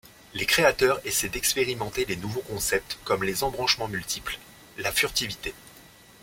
Les créateurs essaient d'expérimenter des nouveaux concepts comme les embranchements multiples, la furtivité.